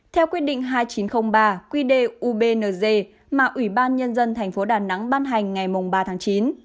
theo quyết định hai nghìn chín trăm linh ba quy đề ubnz mà ủy ban nhân dân thành phố đà nẵng ban hành ngày ba tháng chín